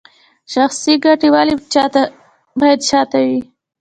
شخصي ګټې ولې باید شاته وي؟